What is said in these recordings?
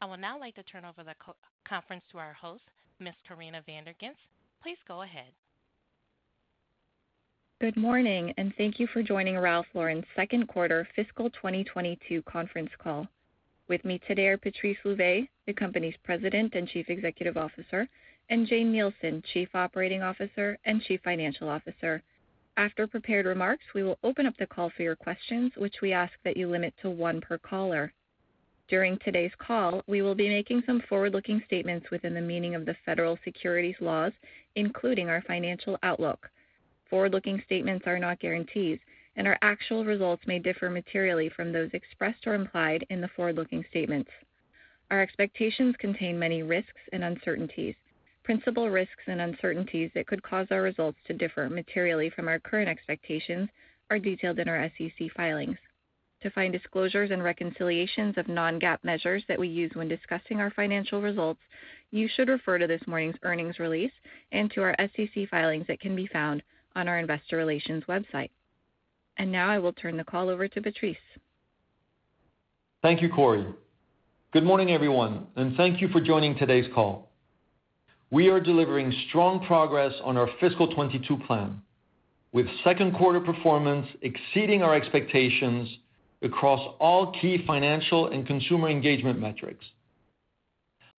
I would now like to turn over the conference to our host, Ms. Corinna Van Der Ghinst. Please go ahead. Good morning, and thank you for joining Ralph Lauren's second quarter fiscal 2022 conference call. With me today are Patrice Louvet, the company's President and Chief Executive Officer, and Jane Nielsen, Chief Operating Officer and Chief Financial Officer. After prepared remarks, we will open up the call for your questions, which we ask that you limit to one per caller. During today's call, we will be making some forward-looking statements within the meaning of the federal securities laws, including our financial outlook. Forward-looking statements are not guarantees, and our actual results may differ materially from those expressed or implied in the forward-looking statements. Our expectations contain many risks and uncertainties. Principal risks and uncertainties that could cause our results to differ materially from our current expectations are detailed in our SEC filings. To find disclosures and reconciliations of non-GAAP measures that we use when discussing our financial results, you should refer to this morning's earnings release and to our SEC filings that can be found on our investor relations website. Now I will turn the call over to Patrice Louvet. Thank you, Cori. Good morning, everyone, and thank you for joining today's call. We are delivering strong progress on our fiscal 2022 plan, with second quarter performance exceeding our expectations across all key financial and consumer engagement metrics.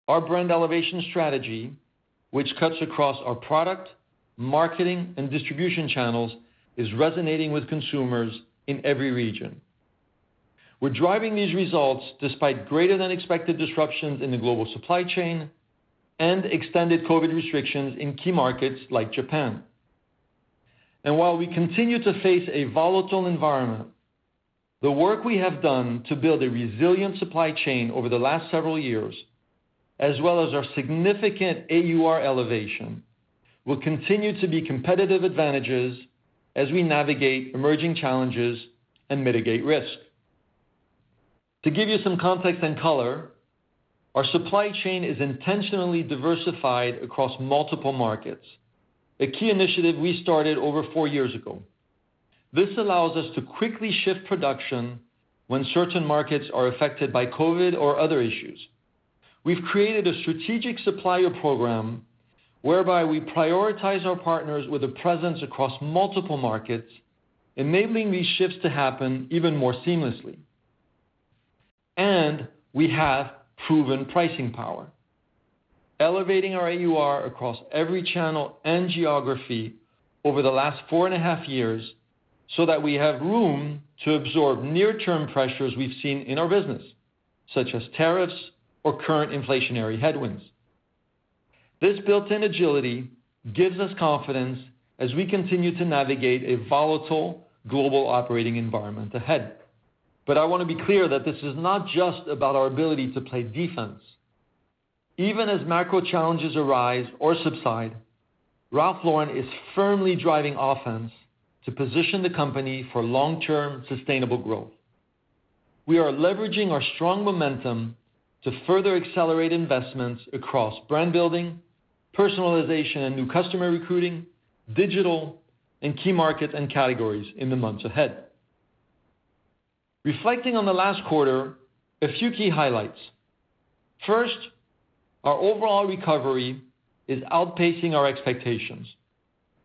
Our brand elevation strategy, which cuts across our product, marketing, and distribution channels, is resonating with consumers in every region. We're driving these results despite greater than expected disruptions in the global supply chain and extended COVID restrictions in key markets like Japan. While we continue to face a volatile environment, the work we have done to build a resilient supply chain over the last several years, as well as our significant AUR elevation, will continue to be competitive advantages as we navigate emerging challenges and mitigate risk. To give you some context and color, our supply chain is intentionally diversified across multiple markets, a key initiative we started over four years ago. This allows us to quickly shift production when certain markets are affected by COVID or other issues. We've created a strategic supplier program whereby we prioritize our partners with a presence across multiple markets, enabling these shifts to happen even more seamlessly. We have proven pricing power, elevating our AUR across every channel and geography over the last four and a half years so that we have room to absorb near-term pressures we've seen in our business, such as tariffs or current inflationary headwinds. This built-in agility gives us confidence as we continue to navigate a volatile global operating environment ahead. I want to be clear that this is not just about our ability to play defense. Even as macro challenges arise or subside, Ralph Lauren is firmly driving offense to position the company for long-term sustainable growth. We are leveraging our strong momentum to further accelerate investments across brand building, personalization and new customer recruiting, digital, and key market and categories in the months ahead. Reflecting on the last quarter, a few key highlights. First, our overall recovery is outpacing our expectations.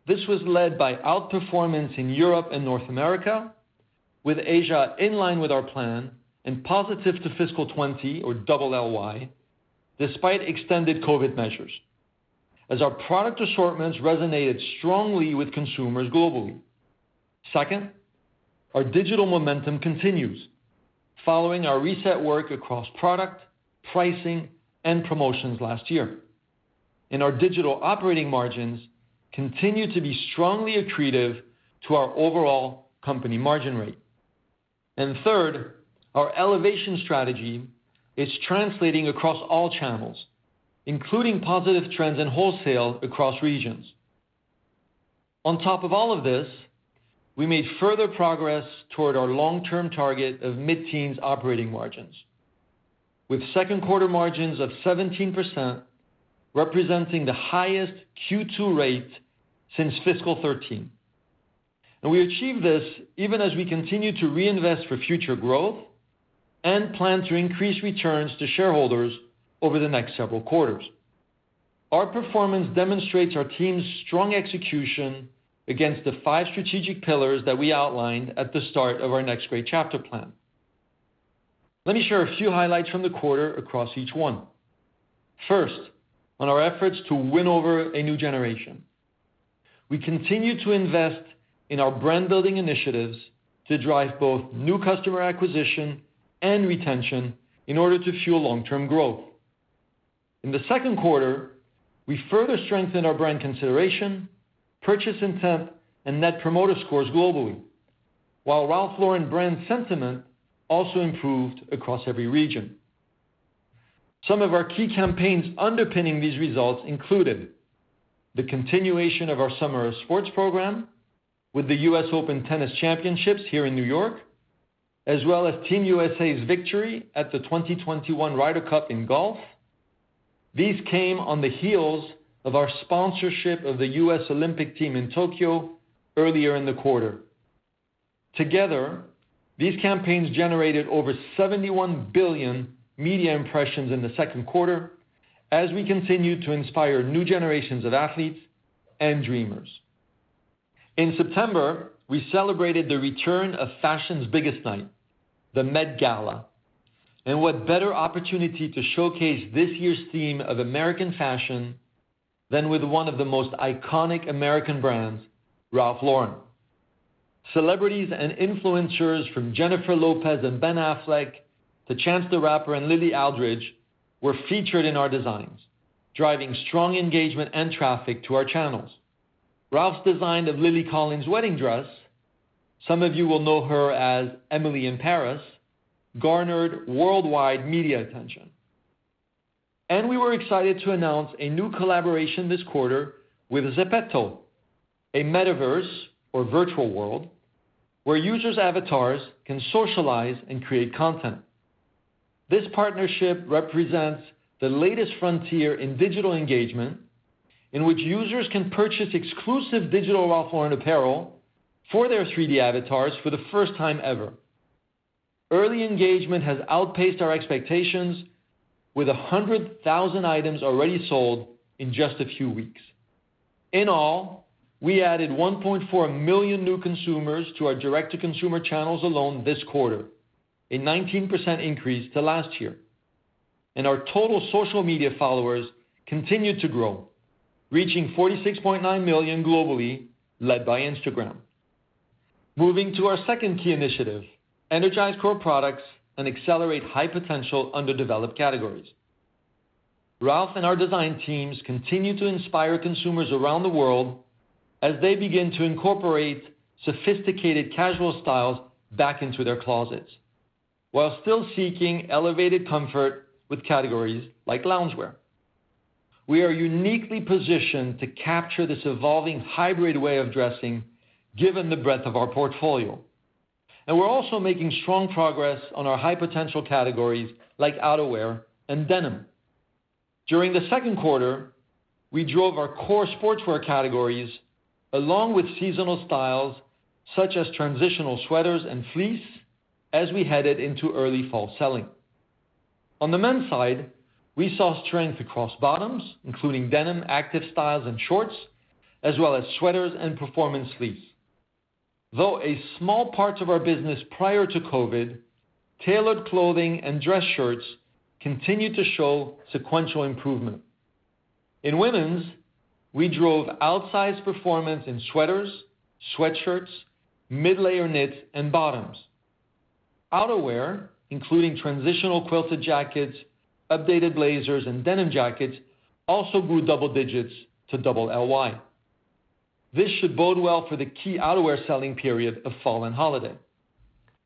This was led by outperformance in Europe and North America, with Asia in line with our plan and positive to fiscal 2020 or double LY, despite extended COVID measures, as our product assortments resonated strongly with consumers globally. Second, our digital momentum continues following our reset work across product, pricing, and promotions last year. Our digital operating margins continue to be strongly accretive to our overall company margin rate. Third, our elevation strategy is translating across all channels, including positive trends in wholesale across regions. On top of all of this, we made further progress toward our long-term target of mid-teens operating margins, with second quarter margins of 17%, representing the highest Q2 rate since fiscal 2013. We achieved this even as we continue to reinvest for future growth and plan to increase returns to shareholders over the next several quarters. Our performance demonstrates our team's strong execution against the five strategic pillars that we outlined at the start of our next great chapter plan. Let me share a few highlights from the quarter across each one. First, on our efforts to win over a new generation. We continue to invest in our brand-building initiatives to drive both new customer acquisition and retention in order to fuel long-term growth. In the second quarter, we further strengthened our brand consideration, purchase intent, and net promoter scores globally, while Ralph Lauren brand sentiment also improved across every region. Some of our key campaigns underpinning these results included the continuation of our Summer of Sports program with the U.S. Open Tennis Championships here in New York, as well as Team USA's victory at the 2021 Ryder Cup in golf. These came on the heels of our sponsorship of the U.S. Olympic team in Tokyo earlier in the quarter. Together, these campaigns generated over 71 billion media impressions in the second quarter as we continue to inspire new generations of athletes and dreamers. In September, we celebrated the return of fashion's biggest night, the Met Gala. What better opportunity to showcase this year's theme of American fashion than with one of the most iconic American brands, Ralph Lauren. Celebrities and influencers from Jennifer Lopez and Ben Affleck to Chance the Rapper and Lily Aldridge were featured in our designs, driving strong engagement and traffic to our channels. Ralph's design of Lily Collins' wedding dress, some of you will know her as Emily in Paris, garnered worldwide media attention. We were excited to announce a new collaboration this quarter with Zepeto, a metaverse or virtual world, where users' avatars can socialize and create content. This partnership represents the latest frontier in digital engagement in which users can purchase exclusive digital Ralph Lauren apparel for their 3D avatars for the first time ever. Early engagement has outpaced our expectations with 100,000 items already sold in just a few weeks. In all, we added 1.4 million new consumers to our direct-to-consumer channels alone this quarter, a 19% increase to last year. Our total social media followers continued to grow, reaching 46.9 million globally, led by Instagram. Moving to our second key initiative, energize core products and accelerate high potential underdeveloped categories. Ralph and our design teams continue to inspire consumers around the world as they begin to incorporate sophisticated casual styles back into their closets while still seeking elevated comfort with categories like loungewear. We are uniquely positioned to capture this evolving hybrid way of dressing given the breadth of our portfolio, and we're also making strong progress on our high potential categories like outerwear and denim. During the second quarter, we drove our core sportswear categories along with seasonal styles such as transitional sweaters and fleece as we headed into early fall selling. On the men's side, we saw strength across bottoms, including denim, active styles, and shorts, as well as sweaters and performance fleece. Though a small part of our business prior to COVID, tailored clothing and dress shirts continued to show sequential improvement. In women's, we drove outsized performance in sweaters, sweatshirts, mid-layer knits, and bottoms. Outerwear, including transitional quilted jackets, updated blazers, and denim jackets also grew double digits to double LY. This should bode well for the key outerwear selling period of fall and holiday.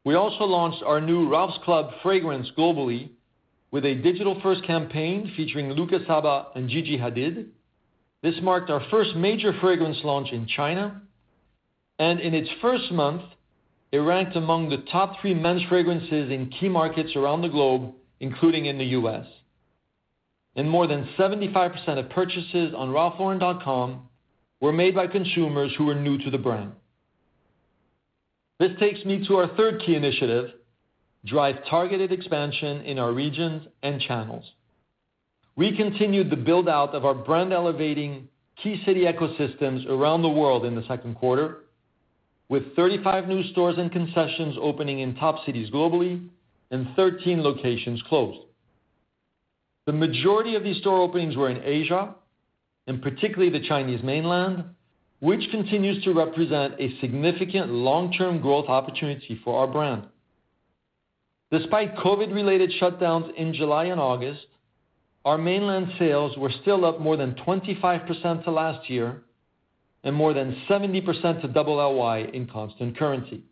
We also launched our new Ralph's Club fragrance globally with a digital-first campaign featuring Luka Sabbat and Gigi Hadid. This marked our first major fragrance launch in China, and in its first month, it ranked among the top three men's fragrances in key markets around the globe, including in the U.S. More than 75% of purchases on ralphlauren.com were made by consumers who were new to the brand. This takes me to our third key initiative, drive targeted expansion in our regions and channels. We continued the build-out of our brand-elevating key city ecosystems around the world in the second quarter, with 35 new stores and concessions opening in top cities globally and 13 locations closed. The majority of these store openings were in Asia, and particularly the Chinese mainland, which continues to represent a significant long-term growth opportunity for our brand. Despite COVID-related shutdowns in July and August, our mainland sales were still up more than 25% to last year and more than 70% to double LY in constant currency.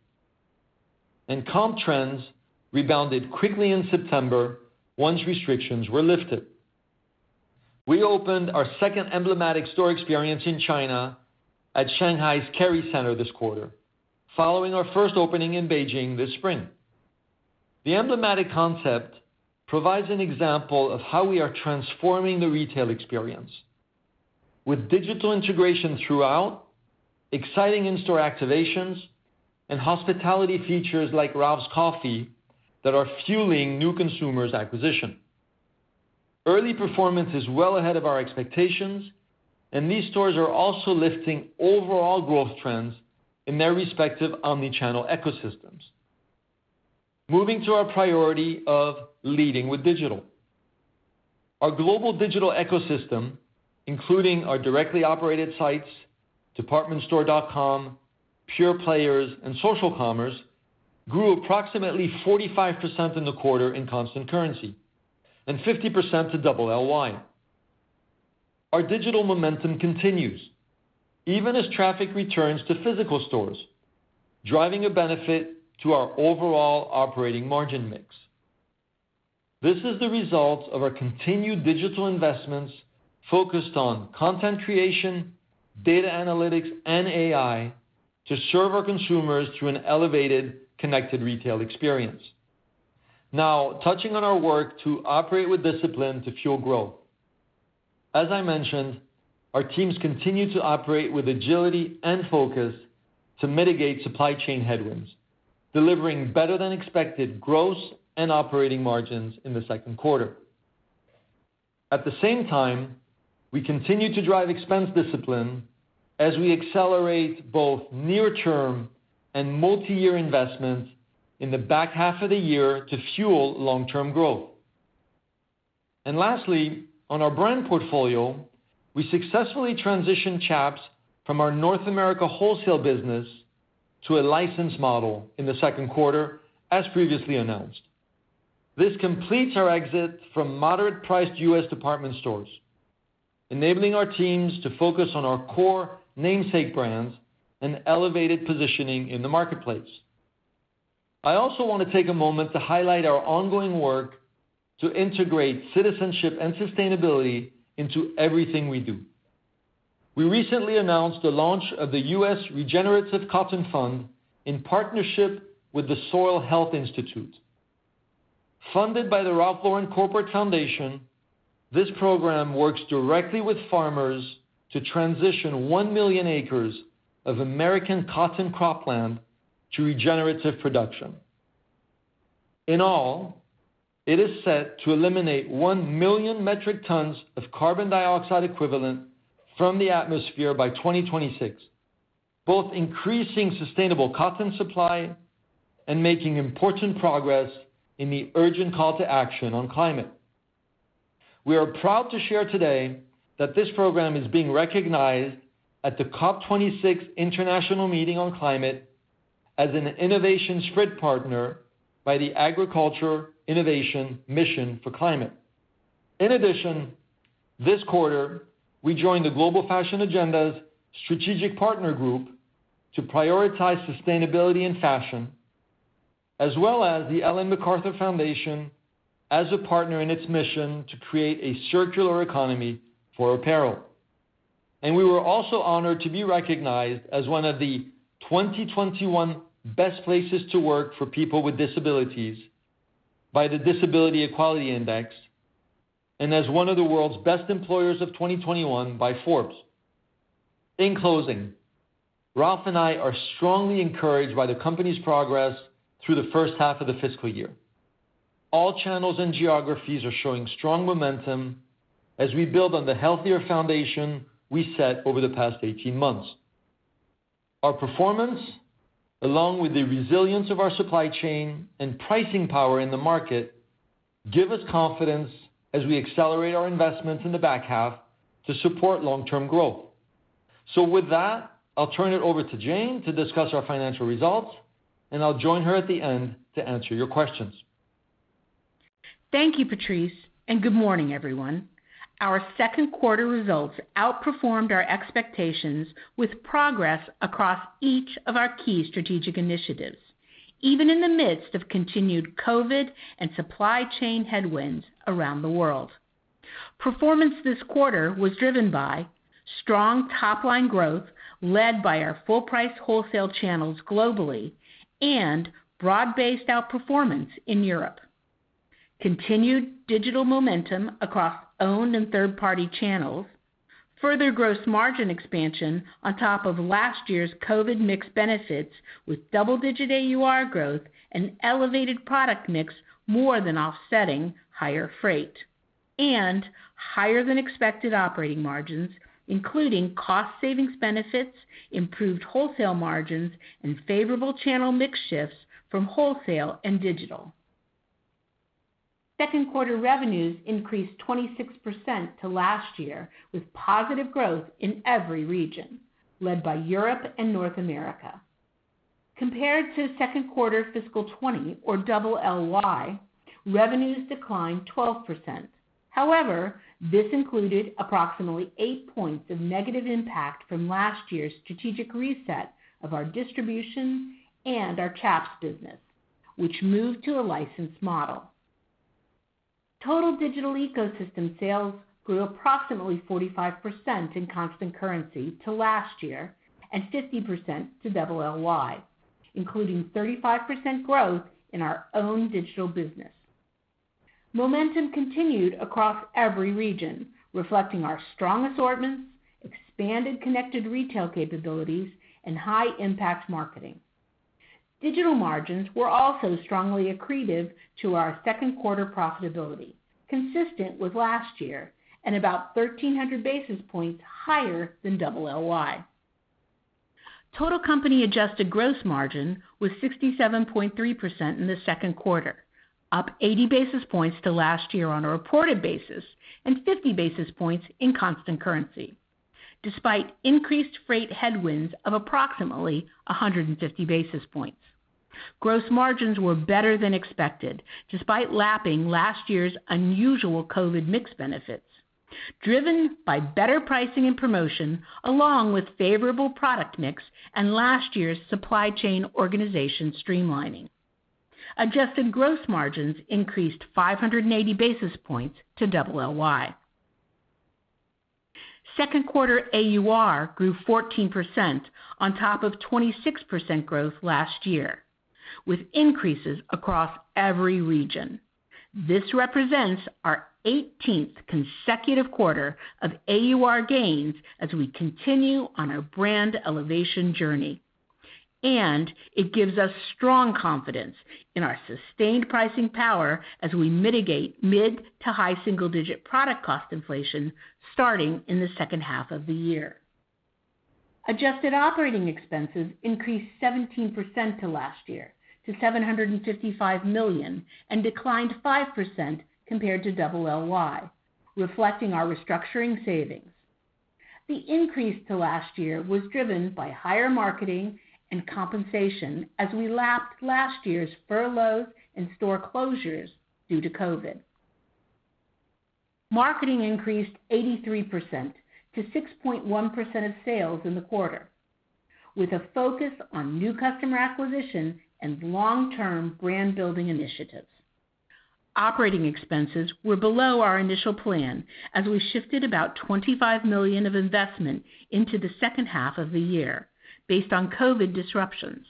Comp trends rebounded quickly in September once restrictions were lifted. We opened our second emblematic store experience in China at Shanghai's Kerry Center this quarter, following our first opening in Beijing this spring. The emblematic concept provides an example of how we are transforming the retail experience with digital integration throughout, exciting in-store activations, and hospitality features like Ralph's Coffee that are fueling new consumer acquisition. Early performance is well ahead of our expectations, and these stores are also lifting overall growth trends in their respective omni-channel ecosystems. Moving to our priority of leading with digital. Our global digital ecosystem, including our directly operated sites, departmentstore.com, pure players, and social commerce, grew approximately 45% in the quarter in constant currency and 50% to double LY. Our digital momentum continues even as traffic returns to physical stores, driving a benefit to our overall operating margin mix. This is the result of our continued digital investments focused on content creation, data analytics, and AI to serve our consumers through an elevated connected retail experience. Now touching on our work to operate with discipline to fuel growth. As I mentioned, our teams continue to operate with agility and focus to mitigate supply chain headwinds, delivering better than expected gross and operating margins in the second quarter. At the same time, we continue to drive expense discipline as we accelerate both near term and multi-year investments in the back half of the year to fuel long-term growth. Lastly, on our brand portfolio, we successfully transitioned Chaps from our North America wholesale business to a licensed model in the second quarter, as previously announced. This completes our exit from moderate-priced U.S. department stores, enabling our teams to focus on our core namesake brands and elevated positioning in the marketplace. I also want to take a moment to highlight our ongoing work to integrate citizenship and sustainability into everything we do. We recently announced the launch of the U.S. Regenerative Cotton Fund in partnership with the Soil Health Institute. Funded by the Ralph Lauren Corporate Foundation, this program works directly with farmers to transition 1 million acres of American cotton cropland to regenerative production. In all, it is set to eliminate 1 million metric tons of carbon dioxide equivalent from the atmosphere by 2026, both increasing sustainable cotton supply and making important progress in the urgent call to action on climate. We are proud to share today that this program is being recognized at the COP26 International Meeting on Climate as an innovation sprint partner by the Agriculture Innovation Mission for Climate. In addition, this quarter, we joined the Global Fashion Agenda's Strategic Partner Group to prioritize sustainability and fashion, as well as the Ellen MacArthur Foundation as a partner in its mission to create a circular economy for apparel. We were also honored to be recognized as one of the 2021 best places to work for people with disabilities by the Disability Equality Index, and as one of the world's best employers of 2021 by Forbes. In closing, Ralph and I are strongly encouraged by the company's progress through the first half of the fiscal year. All channels and geographies are showing strong momentum as we build on the healthier foundation we set over the past 18 months. Our performance, along with the resilience of our supply chain and pricing power in the market, give us confidence as we accelerate our investments in the back half to support long-term growth. With that, I'll turn it over to Jane to discuss our financial results, and I'll join her at the end to answer your questions. Thank you, Patrice, and good morning, everyone. Our second quarter results outperformed our expectations with progress across each of our key strategic initiatives, even in the midst of continued COVID and supply chain headwinds around the world. Performance this quarter was driven by strong top-line growth led by our full price wholesale channels globally and broad-based outperformance in Europe, continued digital momentum across owned and third-party channels, further gross margin expansion on top of last year's COVID mix benefits with double-digit AUR growth and elevated product mix more than offsetting higher freight, higher than expected operating margins, including cost savings benefits, improved wholesale margins, and favorable channel mix shifts from wholesale and digital. Second quarter revenues increased 26% to last year, with positive growth in every region, led by Europe and North America. Compared to second quarter fiscal 2020 or double LY, revenues declined 12%. However, this included approximately 8 points of negative impact from last year's strategic reset of our distribution and our Chaps business, which moved to a license model. Total digital ecosystem sales grew approximately 45% in constant currency to last year and 50% to double LY, including 35% growth in our own digital business. Momentum continued across every region, reflecting our strong assortments, expanded connected retail capabilities, and high-impact marketing. Digital margins were also strongly accretive to our second quarter profitability, consistent with last year and about 1,300 basis points higher than double LY. Total company adjusted gross margin was 67.3% in the second quarter, up 80 basis points to last year on a reported basis and 50 basis points in constant currency, despite increased freight headwinds of approximately 150 basis points. Gross margins were better than expected, despite lapping last year's unusual COVID mix benefits, driven by better pricing and promotion along with favorable product mix and last year's supply chain organization streamlining. Adjusted gross margins increased 580 basis points to double LY. Second quarter AUR grew 14% on top of 26% growth last year, with increases across every region. This represents our 18th consecutive quarter of AUR gains as we continue on our brand elevation journey. It gives us strong confidence in our sustained pricing power as we mitigate mid- to high-single-digit product cost inflation starting in the second half of the year. Adjusted operating expenses increased 17% to last year to $755 million and declined 5% compared to double LY, reflecting our restructuring savings. The increase to last year was driven by higher marketing and compensation as we lapped last year's furloughs and store closures due to COVID. Marketing increased 83% to 6.1% of sales in the quarter, with a focus on new customer acquisition and long-term brand building initiatives. Operating expenses were below our initial plan as we shifted about $25 million of investment into the second half of the year based on COVID disruptions.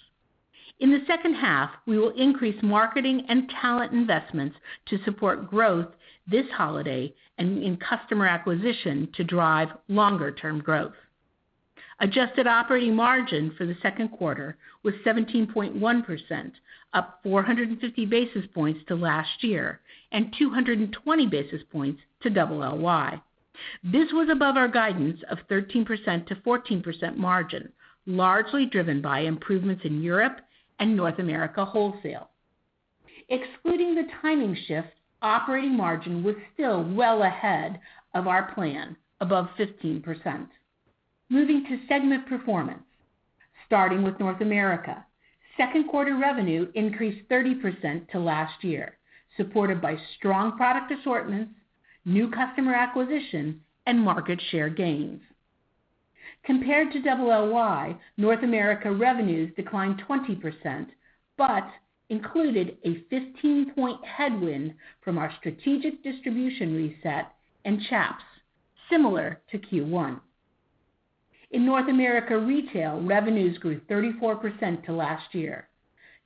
In the second half, we will increase marketing and talent investments to support growth this holiday and in customer acquisition to drive longer term growth. Adjusted operating margin for the second quarter was 17.1%, up 450 basis points to last year and 220 basis points to double LY. This was above our guidance of 13%-14% margin, largely driven by improvements in Europe and North America wholesale. Excluding the timing shift, operating margin was still well ahead of our plan above 15%. Moving to segment performance, starting with North America. Second quarter revenue increased 30% to last year, supported by strong product assortments, new customer acquisition and market share gains. Compared to double LY, North America revenues declined 20%, but included a 15-point headwind from our strategic distribution reset and Chaps similar to Q1. In North America retail, revenues grew 34% to last year.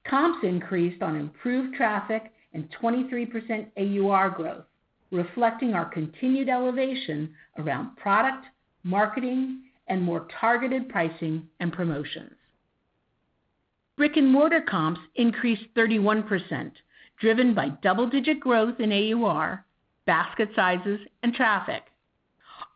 Comps increased on improved traffic and 23% AUR growth, reflecting our continued elevation around product marketing and more targeted pricing and promotions. Brick-and-mortar comps increased 31%, driven by double-digit growth in AUR, basket sizes and traffic.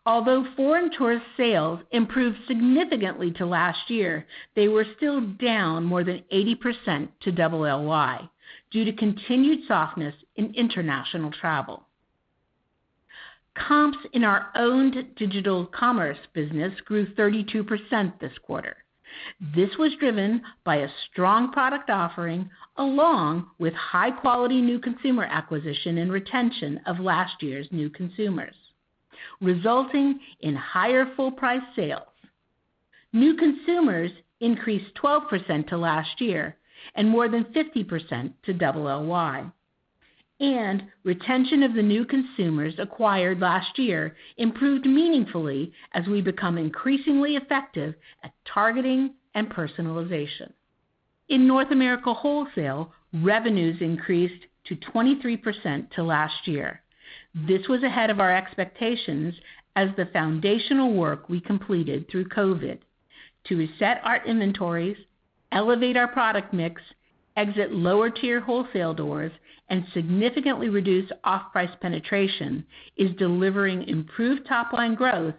Although foreign tourist sales improved significantly to last year, they were still down more than 80% to double LY due to continued softness in international travel. Comps in our owned digital commerce business grew 32% this quarter. This was driven by a strong product offering along with high quality new consumer acquisition and retention of last year's new consumers, resulting in higher full price sales. New consumers increased 12% to last year and more than 50% to double LY. Retention of the new consumers acquired last year improved meaningfully as we become increasingly effective at targeting and personalization. In North America wholesale, revenues increased to 23% to last year. This was ahead of our expectations as the foundational work we completed through COVID to reset our inventories, elevate our product mix, exit lower tier wholesale doors, and significantly reduce off-price penetration is delivering improved top-line growth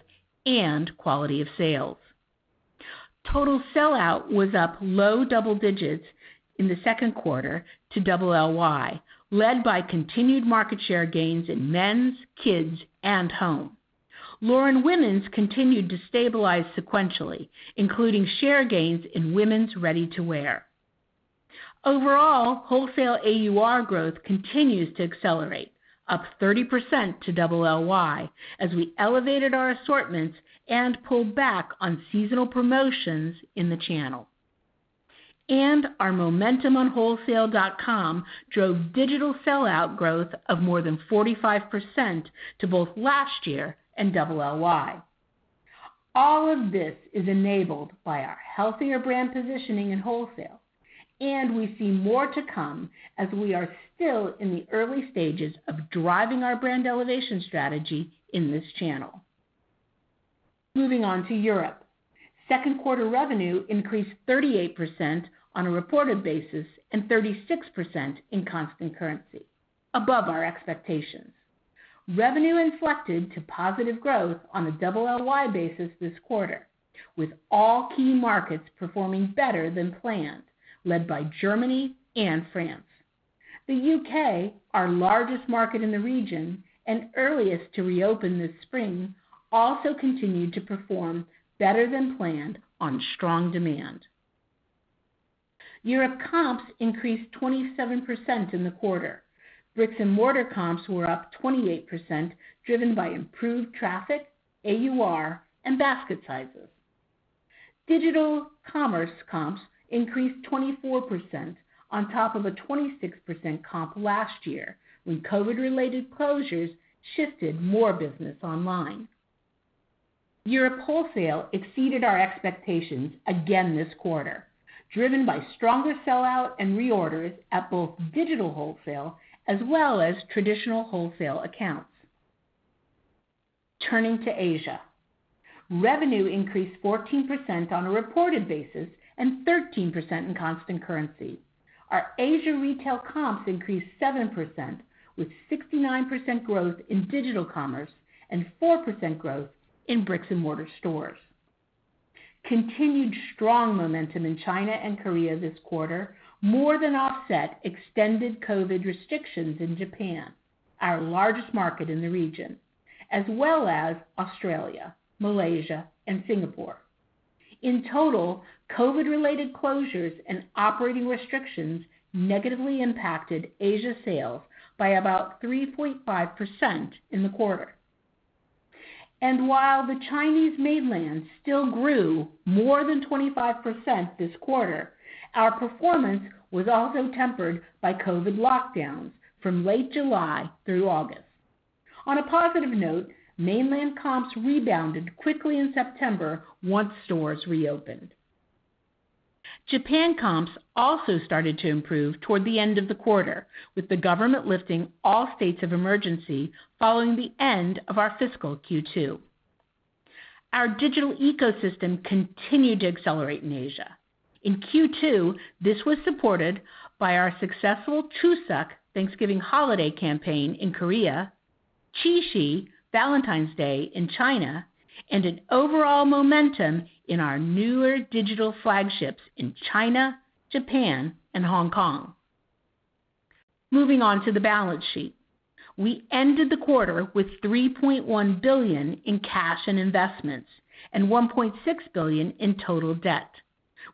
and quality of sales. Total sellout was up low double digits in the second quarter to double LY, led by continued market share gains in men's, kids, and home. Lauren women's continued to stabilize sequentially, including share gains in women's ready-to-wear. Overall, wholesale AUR growth continues to accelerate, up 30% to double LY as we elevated our assortments and pulled back on seasonal promotions in the channel. Our momentum on wholesale.com drove digital sellout growth of more than 45% to both last year and double LY. All of this is enabled by our healthier brand positioning in wholesale, and we see more to come as we are still in the early stages of driving our brand elevation strategy in this channel. Moving on to Europe. Second quarter revenue increased 38% on a reported basis and 36% in constant currency above our expectations. Revenue inflected to positive growth on a double LY basis this quarter, with all key markets performing better than planned, led by Germany and France. The U.K., our largest market in the region and earliest to reopen this spring, also continued to perform better than planned on strong demand. Europe comps increased 27% in the quarter. Brick-and-mortar comps were up 28%, driven by improved traffic, AUR and basket sizes. Digital commerce comps increased 24% on top of a 26% comp last year when COVID-related closures shifted more business online. Europe wholesale exceeded our expectations again this quarter, driven by stronger sell-out and reorders at both digital wholesale as well as traditional wholesale accounts. Turning to Asia. Revenue increased 14% on a reported basis and 13% in constant currency. Our Asia retail comps increased 7% with 69% growth in digital commerce and 4% growth in brick-and-mortar stores. Continued strong momentum in China and Korea this quarter more than offset extended COVID restrictions in Japan, our largest market in the region, as well as Australia, Malaysia, and Singapore. In total, COVID-related closures and operating restrictions negatively impacted Asia sales by about 3.5% in the quarter. While the Chinese mainland still grew more than 25% this quarter, our performance was also tempered by COVID lockdowns from late July through August. On a positive note, mainland comps rebounded quickly in September once stores reopened. Japan comps also started to improve toward the end of the quarter, with the government lifting all states of emergency following the end of our fiscal Q2. Our digital ecosystem continued to accelerate in Asia. In Q2, this was supported by our successful Chuseok Thanksgiving holiday campaign in Korea, Qixi Valentine's Day in China, and an overall momentum in our newer digital flagships in China, Japan, and Hong Kong. Moving on to the balance sheet. We ended the quarter with $3.1 billion in cash and investments and $1.6 billion in total debt,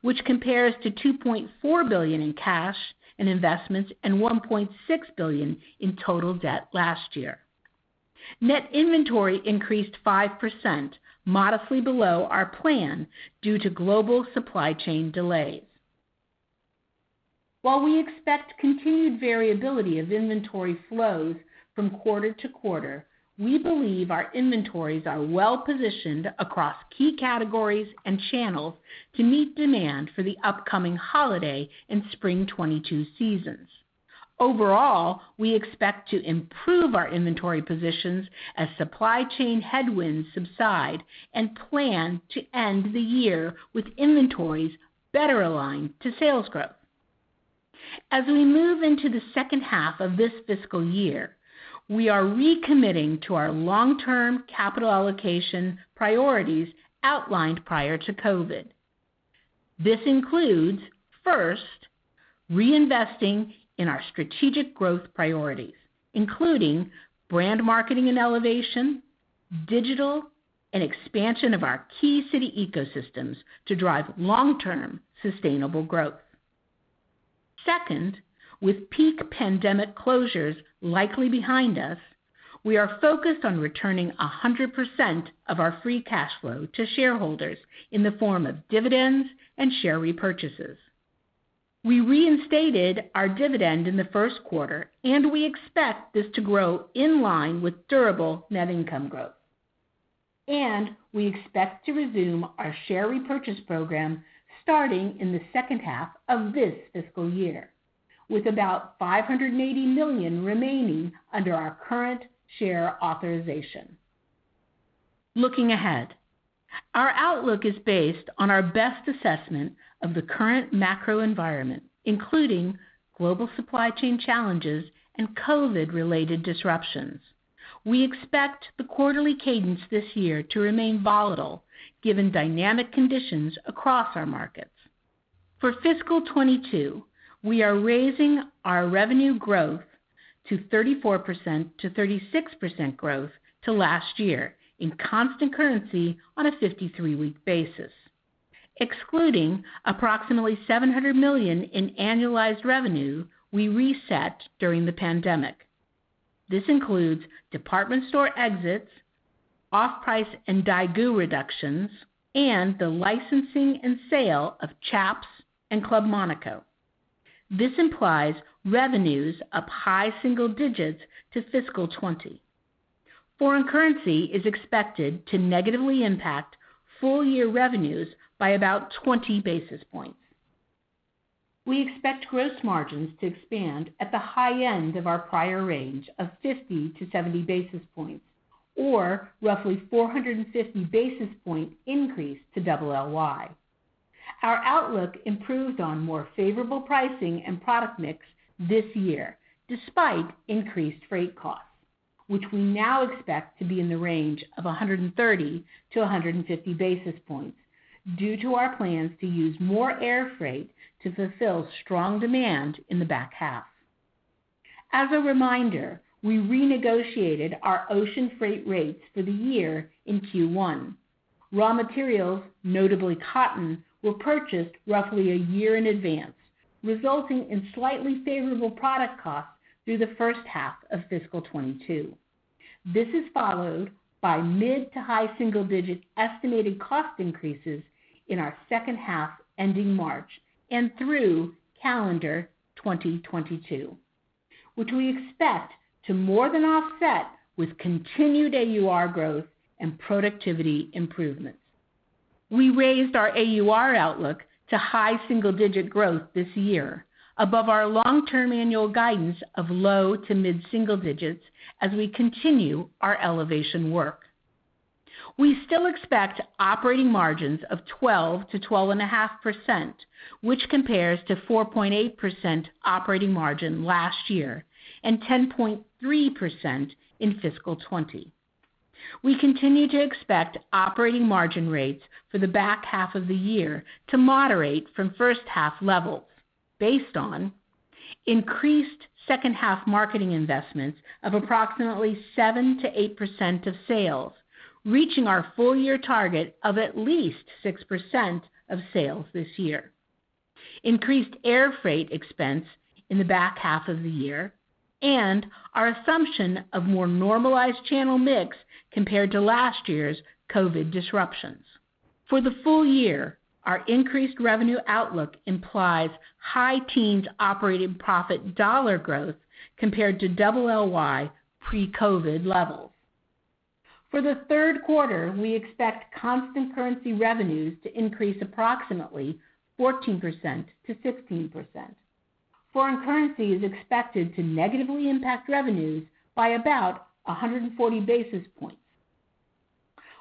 which compares to $2.4 billion in cash and investments and $1.6 billion in total debt last year. Net inventory increased 5% modestly below our plan due to global supply chain delays. While we expect continued variability of inventory flows from quarter to quarter, we believe our inventories are well-positioned across key categories and channels to meet demand for the upcoming holiday and spring 2022 seasons. Overall, we expect to improve our inventory positions as supply chain headwinds subside and plan to end the year with inventories better aligned to sales growth. As we move into the second half of this fiscal year, we are recommitting to our long-term capital allocation priorities outlined prior to COVID. This includes, first, reinvesting in our strategic growth priorities, including brand marketing and elevation, digital and expansion of our key city ecosystems to drive long-term sustainable growth. Second, with peak pandemic closures likely behind us, we are focused on returning 100% of our free cash flow to shareholders in the form of dividends and share repurchases. We reinstated our dividend in the first quarter, and we expect this to grow in line with durable net income growth. We expect to resume our share repurchase program starting in the second half of this fiscal year, with about $580 million remaining under our current share authorization. Looking ahead, our outlook is based on our best assessment of the current macro environment, including global supply chain challenges and COVID-related disruptions. We expect the quarterly cadence this year to remain volatile given dynamic conditions across our markets. For fiscal 2022, we are raising our revenue growth to 34%-36% growth to last year in constant currency on a 53-week basis. Excluding approximately $700 million in annualized revenue we reset during the pandemic. This includes department store exits, off-price and daigou reductions, and the licensing and sale of Chaps and Club Monaco. This implies revenues up high single digits to fiscal 2020. Foreign currency is expected to negatively impact full-year revenues by about 20 basis points. We expect gross margins to expand at the high end of our prior range of 50-70 basis points or roughly 450 basis point increase to double LY. Our outlook improved on more favorable pricing and product mix this year, despite increased freight costs, which we now expect to be in the range of 130-150 basis points due to our plans to use more air freight to fulfill strong demand in the back half. As a reminder, we renegotiated our ocean freight rates for the year in Q1. Raw materials, notably cotton, were purchased roughly a year in advance. Resulting in slightly favorable product costs through the first half of fiscal 2022. This is followed by mid- to high single-digit estimated cost increases in our second half ending March and through calendar 2022, which we expect to more than offset with continued AUR growth and productivity improvements. We raised our AUR outlook to high single-digit growth this year above our long-term annual guidance of low- to mid-single digits as we continue our elevation work. We still expect operating margins of 12-12.5%, which compares to 4.8% operating margin last year and 10.3% in fiscal 2020. We continue to expect operating margin rates for the back half of the year to moderate from first half levels based on increased second half marketing investments of approximately 7%-8% of sales, reaching our full year target of at least 6% of sales this year, increased air freight expense in the back half of the year and our assumption of more normalized channel mix compared to last year's COVID disruptions. For the full year, our increased revenue outlook implies high teens operating profit dollar growth compared to double LY pre-COVID levels. For the third quarter, we expect constant currency revenues to increase approximately 14%-16%. Foreign currency is expected to negatively impact revenues by about 140 basis points.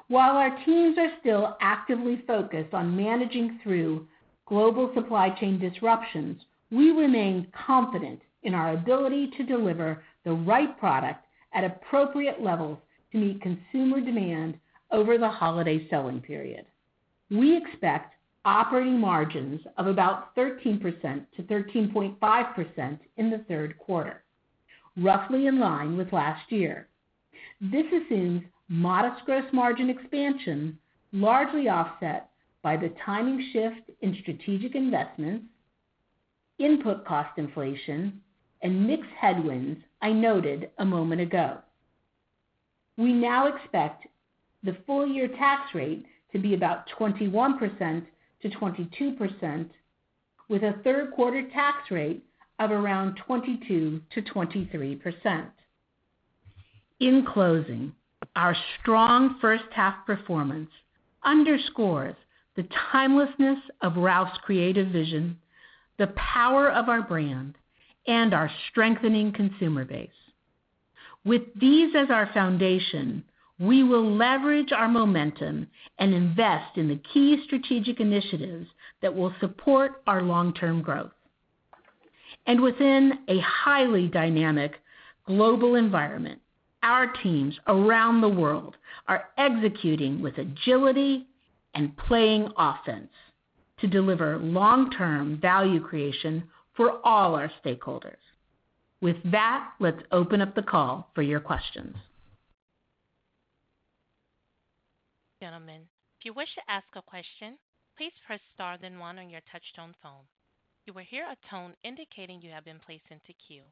While our teams are still actively focused on managing through global supply chain disruptions, we remain confident in our ability to deliver the right product at appropriate levels to meet consumer demand over the holiday selling period. We expect operating margins of about 13%-13.5% in the third quarter, roughly in line with last year. This assumes modest gross margin expansion, largely offset by the timing shift in strategic investments, input cost inflation, and mix headwinds I noted a moment ago. We now expect the full year tax rate to be about 21%-22% with a third quarter tax rate of around 22%-23%. In closing, our strong first half performance underscores the timelessness of Ralph's creative vision, the power of our brand, and our strengthening consumer base. With these as our foundation, we will leverage our momentum and invest in the key strategic initiatives that will support our long-term growth. Within a highly dynamic global environment, our teams around the world are executing with agility and playing offense to deliver long-term value creation for all our stakeholders. With that, let's open up the call for your questions. Gentlemen. If you wish to ask a question, please press star, then one on your touch-tone phone. You will hear a tone indicating you have been placed into queue.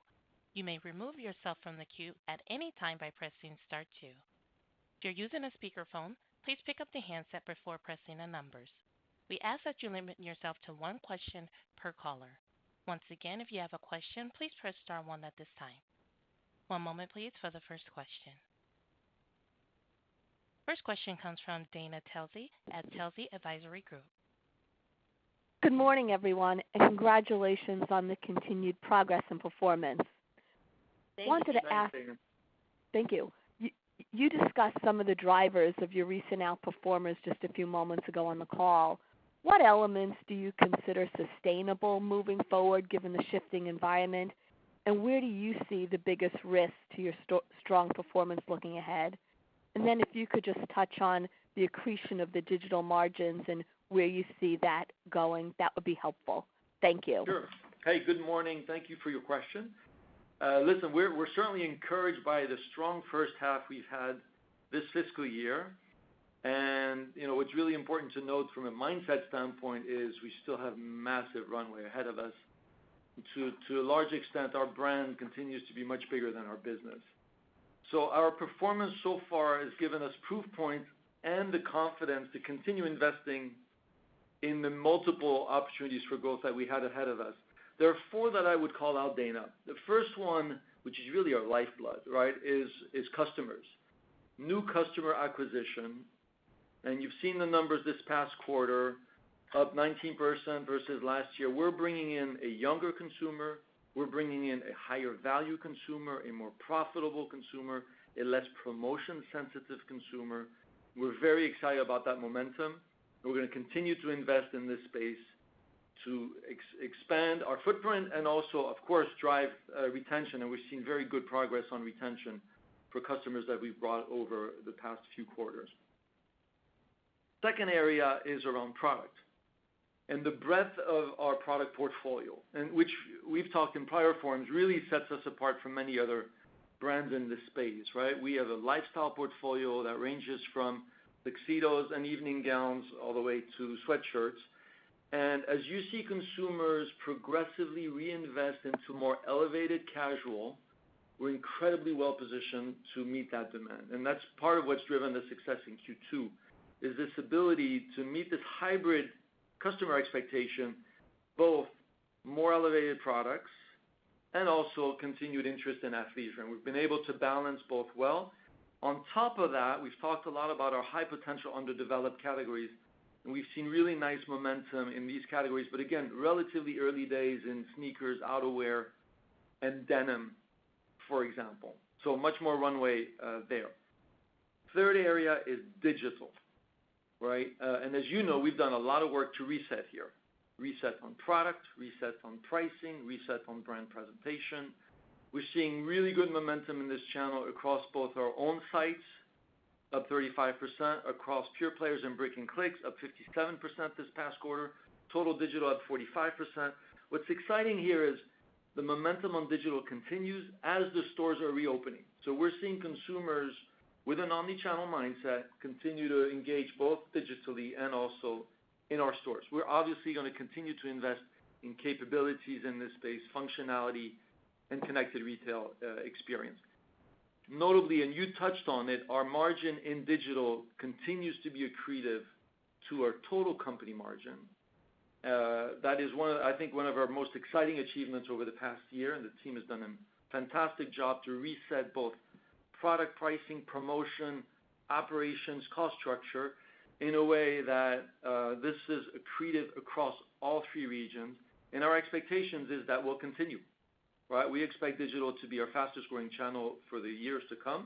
You may remove yourself from the queue at any time by pressing star, two. If you're using a speakerphone, please pick up the handset before pressing the numbers. We ask that you limit yourself to one question per caller. Once again, if you have a question, please press star, one at this time. One moment, please, for the first question. First question comes from Dana Telsey at Telsey Advisory Group. Good morning, everyone, and congratulations on the continued progress and performance. Thank you. Wanted to ask, thank you. You discussed some of the drivers of your recent outperformance just a few moments ago on the call. What elements do you consider sustainable moving forward given the shifting environment and where do you see the biggest risk to your strong performance looking ahead? Then if you could just touch on the accretion of the digital margins and where you see that going, that would be helpful. Thank you. Sure. Hey, good morning. Thank you for your question. Listen, we're certainly encouraged by the strong first half we've had this fiscal year. You know, what's really important to note from a mindset standpoint is we still have massive runway ahead of us. To a large extent, our brand continues to be much bigger than our business. Our performance so far has given us proof points and the confidence to continue investing in the multiple opportunities for growth that we had ahead of us. There are four that I would call out, Dana. The first one, which is really our lifeblood, right, is customers. New customer acquisition, and you've seen the numbers this past quarter up 19% versus last year. We're bringing in a younger consumer, we're bringing in a higher value consumer, a more profitable consumer, a less promotion sensitive consumer. We're very excited about that momentum. We're gonna continue to invest in this space to expand our footprint and also, of course, drive retention. We've seen very good progress on retention for customers that we've brought over the past few quarters. Second area is around product and the breadth of our product portfolio, and which we've talked in prior forums, really sets us apart from many other Brands in the space, right? We have a lifestyle portfolio that ranges from tuxedos and evening gowns all the way to sweatshirts. As you see consumers progressively reinvest into more elevated casual, we're incredibly well-positioned to meet that demand. That's part of what's driven the success in Q2, is this ability to meet this hybrid customer expectation, both more elevated products and also continued interest in athleisure. We've been able to balance both well. On top of that, we've talked a lot about our high potential underdeveloped categories, and we've seen really nice momentum in these categories. Again, relatively early days in sneakers, outerwear, and denim, for example. Much more runway there. Third area is digital, right? As you know, we've done a lot of work to reset here. Reset on product, reset on pricing, reset on brand presentation. We're seeing really good momentum in this channel across both our own sites, up 35%. Across pure players and brick and clicks, up 57% this past quarter. Total digital, up 45%. What's exciting here is the momentum on digital continues as the stores are reopening. We're seeing consumers with an omni-channel mindset continue to engage both digitally and also in our stores. We're obviously gonna continue to invest in capabilities in this space, functionality, and connected retail experience. Notably, and you touched on it, our margin in digital continues to be accretive to our total company margin. That is one of, I think, one of our most exciting achievements over the past year, and the team has done a fantastic job to reset both product pricing, promotion, operations, cost structure, in a way that this is accretive across all three regions. Our expectations is that will continue, right? We expect digital to be our fastest growing channel for the years to come,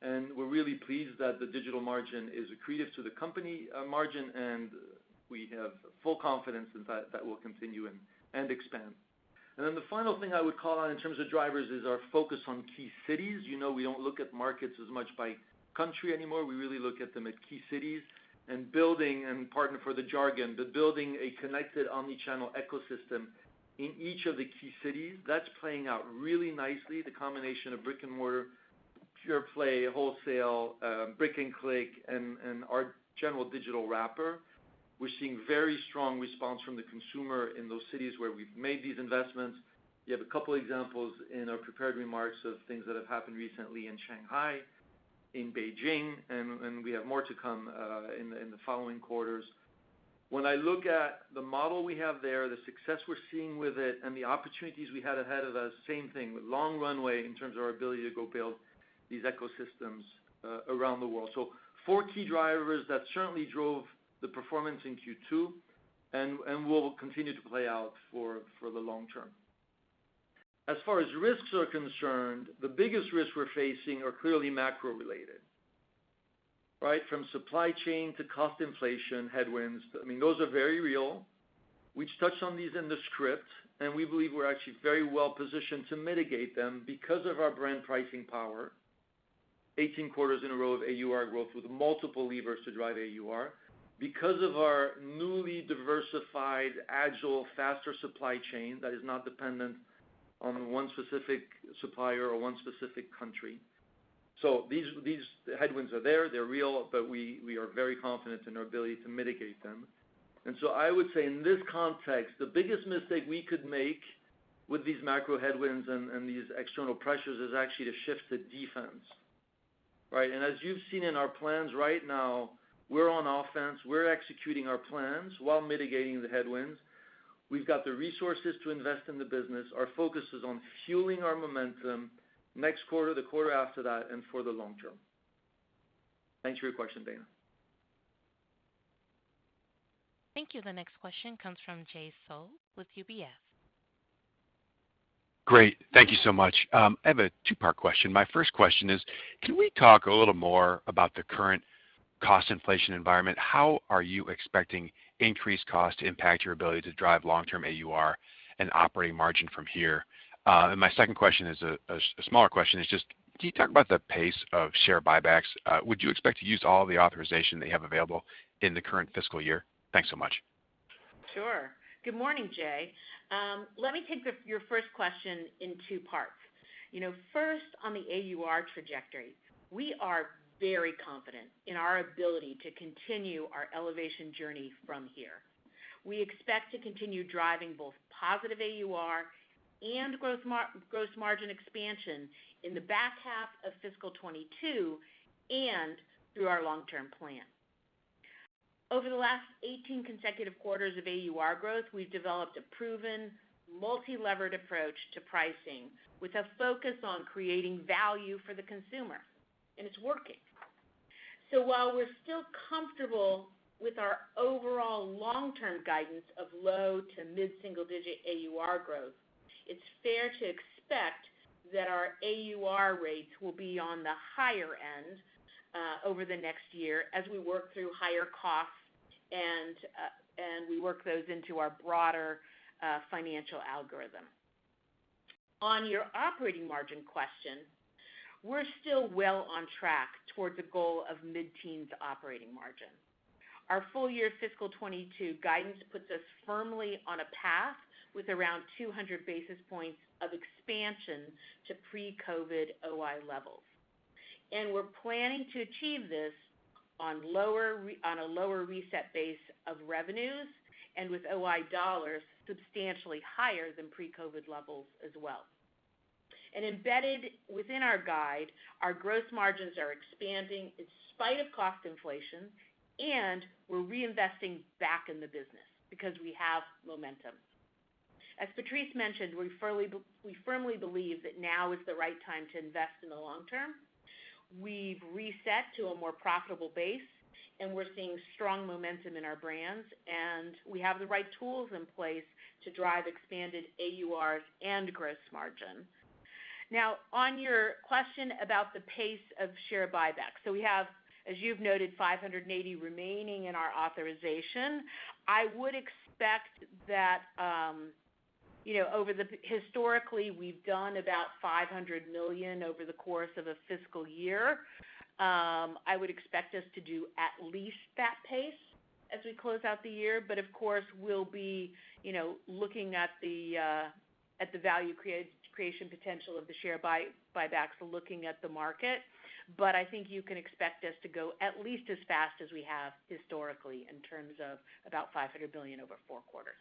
and we're really pleased that the digital margin is accretive to the company, margin, and we have full confidence in that that will continue and expand. Then the final thing I would call out in terms of drivers is our focus on key cities. You know, we don't look at markets as much by country anymore. We really look at them at key cities and building, and pardon for the jargon, but building a connected omni-channel ecosystem in each of the key cities. That's playing out really nicely. The combination of brick and mortar, pure play, wholesale, brick and click, and our general digital wrapper. We're seeing very strong response from the consumer in those cities where we've made these investments. You have a couple examples in our prepared remarks of things that have happened recently in Shanghai, in Beijing, and we have more to come, in the following quarters. When I look at the model we have there, the success we're seeing with it and the opportunities we had ahead of us, same thing. With long runway in terms of our ability to go build these ecosystems, around the world. Four key drivers that certainly drove the performance in Q2 and will continue to play out for the long term. As far as risks are concerned, the biggest risks we're facing are clearly macro-related, right? From supply chain to cost inflation headwinds. I mean, those are very real. We touched on these in the script, and we believe we're actually very well-positioned to mitigate them because of our brand pricing power. 18 quarters in a row of AUR growth with multiple levers to drive AUR. Because of our newly diversified, agile, faster supply chain that is not dependent on one specific supplier or one specific country. These headwinds are there, they're real, but we are very confident in our ability to mitigate them. I would say in this context, the biggest mistake we could make with these macro headwinds and these external pressures is actually to shift to defense, right? As you've seen in our plans right now, we're on offense. We're executing our plans while mitigating the headwinds. We've got the resources to invest in the business. Our focus is on fueling our momentum next quarter, the quarter after that, and for the long term. Thanks for your question, Dana. Thank you. The next question comes from Jay Sole with UBS. Great. Thank you so much. I have a two-part question. My first question is, can we talk a little more about the current cost inflation environment? How are you expecting increased cost to impact your ability to drive long-term AUR and operating margin from here? And my second question is a smaller question. It's just, can you talk about the pace of share buybacks? Would you expect to use all the authorization that you have available in the current fiscal year? Thanks so much. Sure. Good morning, Jay. Let me take your first question in two parts. You know, first, on the AUR trajectory. We are very confident in our ability to continue our elevation journey from here. We expect to continue driving both positive AUR and gross margin expansion in the back half of fiscal 2022 and through our long-term plan. Over the last 18 consecutive quarters of AUR growth, we've developed a proven multi-levered approach to pricing with a focus on creating value for the consumer, and it's working. While we're still comfortable with our overall long-term guidance of low- to mid-single-digit AUR growth, it's fair to expect that our AUR rates will be on the higher end over the next year as we work through higher costs and we work those into our broader financial algorithm. On your operating margin question, we're still well on track towards the goal of mid-teens operating margin. Our full year fiscal 2022 guidance puts us firmly on a path with around 200 basis points of expansion to pre-COVID OI levels. We're planning to achieve this on a lower reset base of revenues and with OI dollars substantially higher than pre-COVID levels as well. Embedded within our guide, our gross margins are expanding in spite of cost inflation, and we're reinvesting back in the business because we have momentum. As Patrice mentioned, we firmly believe that now is the right time to invest in the long term. We've reset to a more profitable base, and we're seeing strong momentum in our brands, and we have the right tools in place to drive expanded AURs and gross margin. Now, on your question about the pace of share buybacks. We have, as you've noted, 580 remaining in our authorization. I would expect that, you know, historically, we've done about $500 million over the course of a fiscal year. I would expect us to do at least that pace as we close out the year. Of course, we'll be, you know, looking at the value creation potential of the share buybacks, looking at the market. I think you can expect us to go at least as fast as we have historically in terms of about $500 billion over four quarters.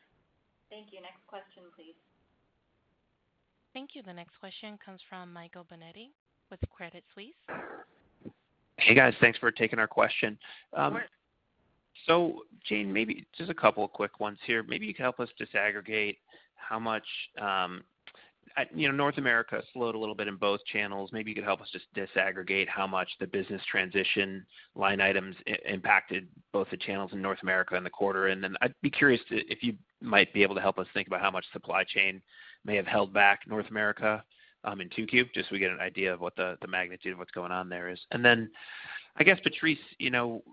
Thank you. Next question, please. Thank you. The next question comes from Michael Binetti with Credit Suisse. Hey, guys. Thanks for taking our question. Of course. Jane, maybe just a couple of quick ones here. Maybe you can help us disaggregate how much, you know, North America slowed a little bit in both channels. Maybe you could help us just disaggregate how much the business transition line items impacted both the channels in North America in the quarter. I'd be curious to know if you might be able to help us think about how much supply chain may have held back North America in 2Q, just so we get an idea of what the magnitude of what's going on there is. I guess, Patrice, you know,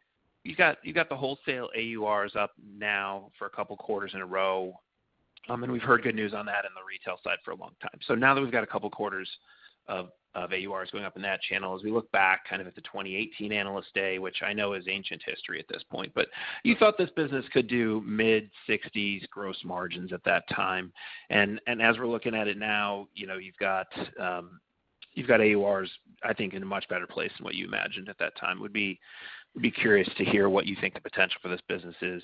you got the wholesale AURs up now for a couple quarters in a row, and we've heard good news on that in the retail side for a long time. Now that we've got a couple quarters of AURs going up in that channel, as we look back kind of at the 2018 Analyst Day, which I know is ancient history at this point. You thought this business could do mid-60s% gross margins at that time. As we're looking at it now, you know, you've got AURs, I think, in a much better place than what you imagined at that time. Would be curious to hear what you think the potential for this business is,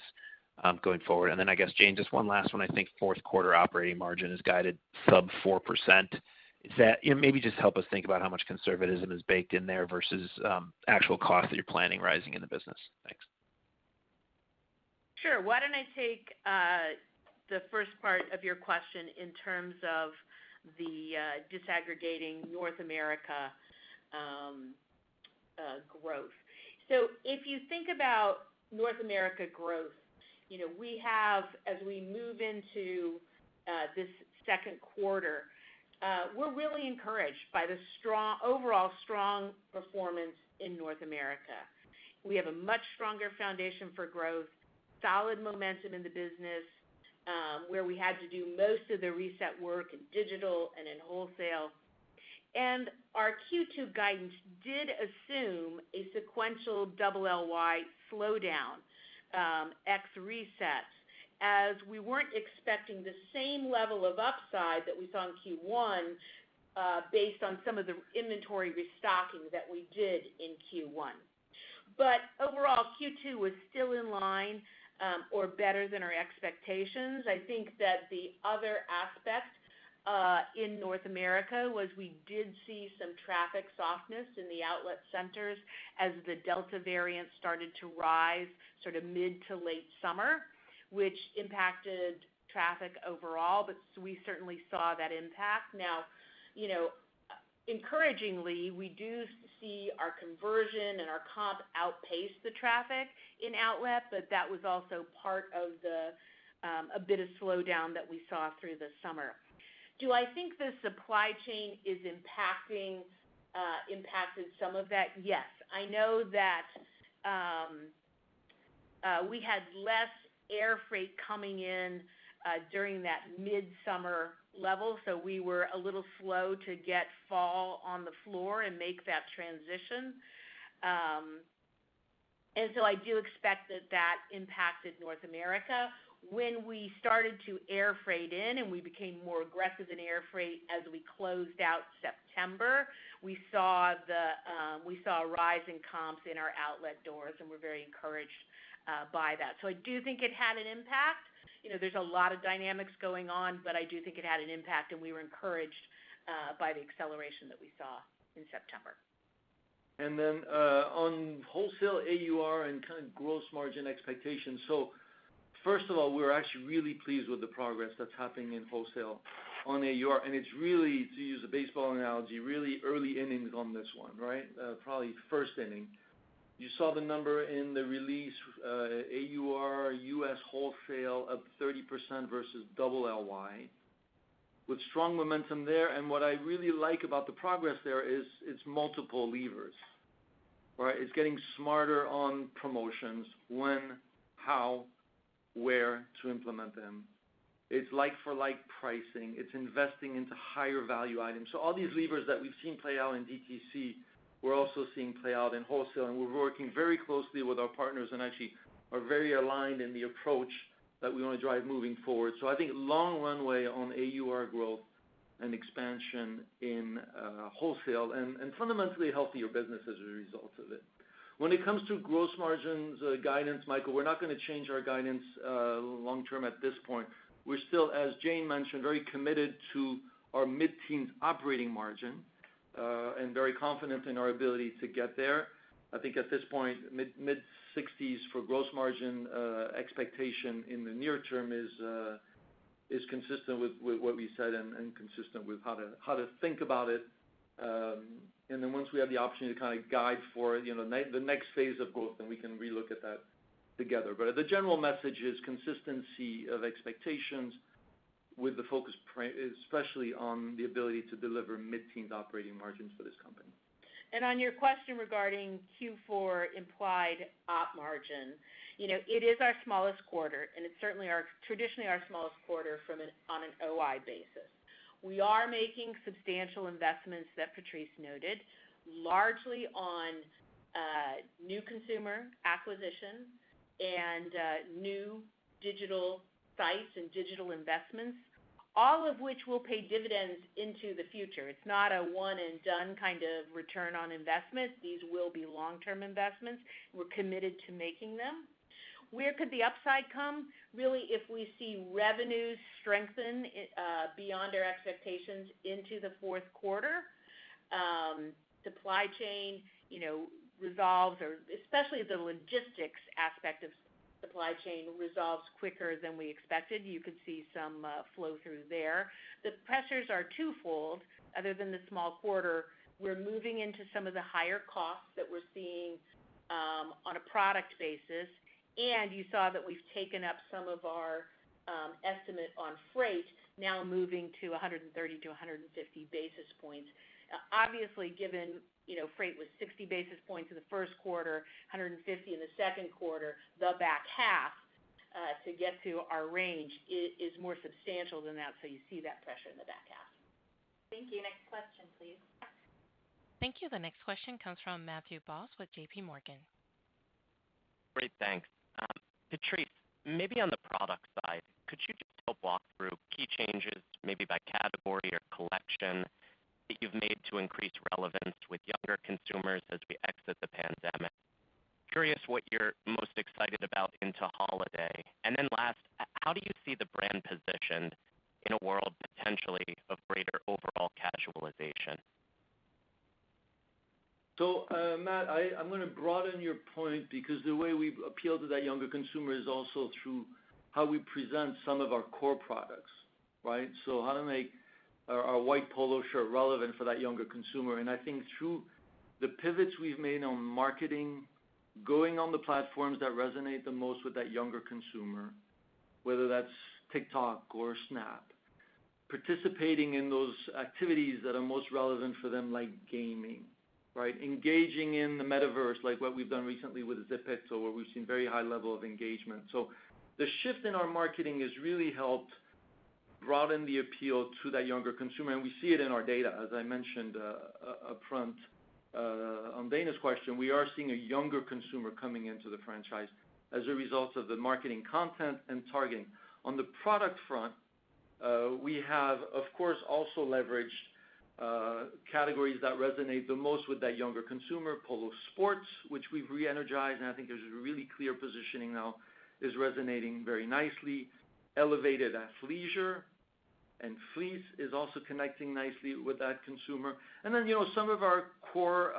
going forward. I guess, Jane, just one last one. I think fourth quarter operating margin is guided sub 4%. Is that. You know, maybe just help us think about how much conservatism is baked in there versus actual costs that you're planning rising in the business. Thanks. Sure. Why don't I take the first part of your question in terms of the disaggregating North America growth. If you think about North America growth, you know. As we move into this second quarter, we're really encouraged by the overall strong performance in North America. We have a much stronger foundation for growth, solid momentum in the business, where we had to do most of the reset work in digital and in wholesale. Our Q2 guidance did assume a sequential double LY slowdown, ex resets, as we weren't expecting the same level of upside that we saw in Q1, based on some of the inventory restocking that we did in Q1. Overall, Q2 was still in line, or better than our expectations. I think that the other aspect in North America was we did see some traffic softness in the outlet centers as the Delta variant started to rise sort of mid to late summer, which impacted traffic overall, but we certainly saw that impact. Now, you know, encouragingly, we do see our conversion and our comp outpace the traffic in outlet, but that was also part of the a bit of slowdown that we saw through the summer. Do I think the supply chain is impacted some of that? Yes. I know that we had less air freight coming in during that mid-summer level, so we were a little slow to get fall on the floor and make that transition. I do expect that impacted North America. When we started to air freight in, and we became more aggressive in air freight as we closed out September, we saw a rise in comps in our outlet stores, and we're very encouraged by that. I do think it had an impact. You know, there's a lot of dynamics going on, but I do think it had an impact, and we were encouraged by the acceleration that we saw in September. Then, on wholesale AUR and kind of gross margin expectations. First of all, we're actually really pleased with the progress that's happening in wholesale on AUR, and it's really, to use a baseball analogy, really early innings on this one, right? Probably first inning. You saw the number in the release, AUR U.S. wholesale up 30% versus double LY with strong momentum there. What I really like about the progress there is it's multiple levers, right? It's getting smarter on promotions, when, how, where to implement them. It's like for like pricing, it's investing into higher value items. All these levers that we've seen play out in DTC, we're also seeing play out in wholesale, and we're working very closely with our partners and actually are very aligned in the approach that we wanna drive moving forward. I think long runway on AUR growth and expansion in wholesale and fundamentally healthier business as a result of it. When it comes to gross margins guidance, Michael, we're not gonna change our guidance long term at this point. We're still, as Jane mentioned, very committed to our mid-teens operating margin and very confident in our ability to get there. I think at this point, mid-60s for gross margin expectation in the near term is consistent with what we said and consistent with how to think about it. Once we have the option to kind of guide for, you know, the next phase of growth, then we can relook at that together. The general message is consistency of expectations with the focus especially on the ability to deliver mid-teen operating margins for this company. On your question regarding Q4 implied op margin, you know, it is our smallest quarter, and it's certainly our traditionally our smallest quarter on an OI basis. We are making substantial investments that Patrice noted, largely on new consumer acquisition and new digital sites and digital investments, all of which will pay dividends into the future. It's not a one and done kind of return on investment. These will be long-term investments. We're committed to making them. Where could the upside come? Really, if we see revenues strengthen beyond our expectations into the fourth quarter, supply chain, you know, resolves or especially the logistics aspect of supply chain resolves quicker than we expected. You could see some flow through there. The pressures are twofold. Other than the small quarter, we're moving into some of the higher costs that we're seeing on a product basis. You saw that we've taken up some of our estimate on freight now moving to 130 to 150 basis points. Obviously, given you know, freight was 60 basis points in the first quarter, 150 in the second quarter, the back half to get to our range is more substantial than that. You see that pressure in the back half. Thank you. Next question, please. Thank you. The next question comes from Matthew Boss with JPMorgan. Great. Thanks. Patrice, maybe on the product side, could you just help walk through key changes, maybe by category or collection that you've made to increase relevance with younger consumers as we exit the pandemic? Curious what you're most excited about into holiday. Last, how do you see the brand positioned in a world potentially of greater overall casualization? Matt, I'm gonna broaden your point because the way we appeal to that younger consumer is also through how we present some of our core products, right, how to make our white polo shirt relevant for that younger consumer. I think through the pivots we've made on marketing, going on the platforms that resonate the most with that younger consumer, whether that's TikTok or Snap, participating in those activities that are most relevant for them, like gaming, right. Engaging in the metaverse, like what we've done recently with Zepeto, where we've seen very high level of engagement. The shift in our marketing has really helped broaden the appeal to that younger consumer, and we see it in our data. As I mentioned upfront on Dana's question, we are seeing a younger consumer coming into the franchise as a result of the marketing content and targeting. On the product front, we have, of course, also leveraged categories that resonate the most with that younger consumer. Polo Sport, which we've re-energized, and I think there's a really clear positioning now, is resonating very nicely. Elevated athleisure and fleece is also connecting nicely with that consumer. You know, some of our core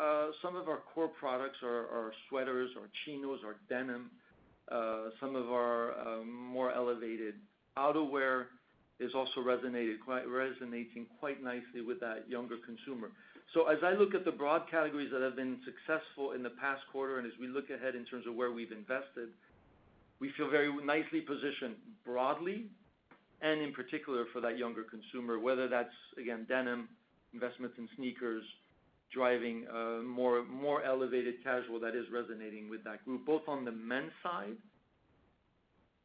products are sweaters or chinos or denim. Some of our more elevated outerwear is also resonating quite nicely with that younger consumer. As I look at the broad categories that have been successful in the past quarter, and as we look ahead in terms of where we've invested, we feel very nicely positioned broadly and in particular for that younger consumer, whether that's, again, denim, investments in sneakers, driving more elevated casual that is resonating with that group, both on the men's side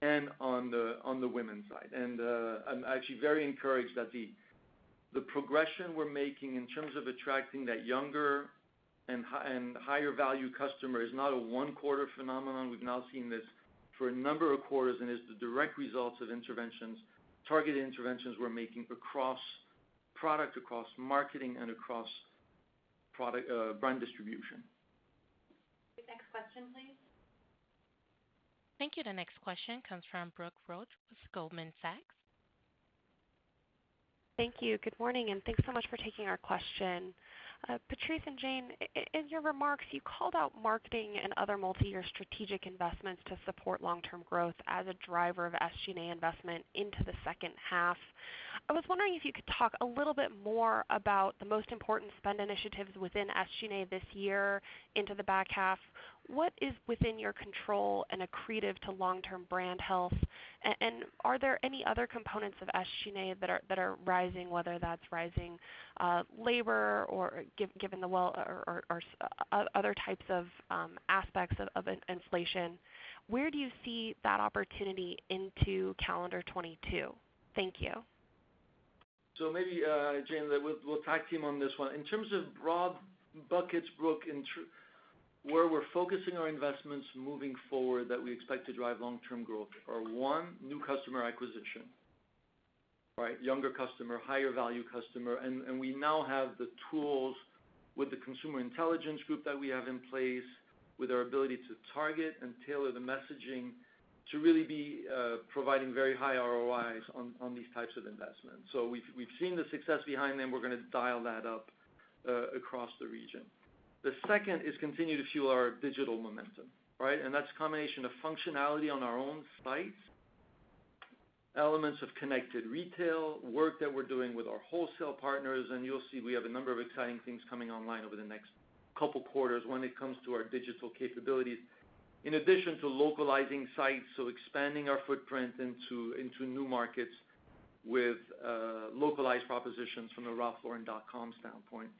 and on the women's side. I'm actually very encouraged that the progression we're making in terms of attracting that younger and higher value customer is not a one quarter phenomenon. We've now seen this for a number of quarters, and it's the direct results of interventions, targeted interventions we're making across product, across marketing, and brand distribution. The next question, please. Thank you. The next question comes from Brooke Roach with Goldman Sachs. Thank you. Good morning, and thanks so much for taking our question. Patrice and Jane, in your remarks, you called out marketing and other multi-year strategic investments to support long-term growth as a driver of SG&A investment into the second half. I was wondering if you could talk a little bit more about the most important spend initiatives within SG&A this year into the back half. What is within your control and accretive to long-term brand health? Are there any other components of SG&A that are rising, whether that's rising labor or given the low or other types of aspects of inflation? Where do you see that opportunity into calendar 2022? Thank you. Maybe, Jane, we'll tag team on this one. In terms of broad buckets, Brooke, where we're focusing our investments moving forward that we expect to drive long-term growth are, one, new customer acquisition, right? Younger customer, higher value customer. We now have the tools with the consumer intelligence group that we have in place, with our ability to target and tailor the messaging to really be providing very high ROIs on these types of investments. We've seen the success behind them. We're gonna dial that up across the region. The second is continue to fuel our digital momentum, right? That's a combination of functionality on our own sites, elements of connected retail, work that we're doing with our wholesale partners, and you'll see we have a number of exciting things coming online over the next couple quarters when it comes to our digital capabilities. In addition to localizing sites, so expanding our footprint into new markets with localized propositions from the ralphlauren.com standpoint.